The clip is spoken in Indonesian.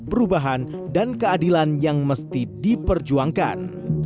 perubahan dan keadilan yang mesti diperjuangkan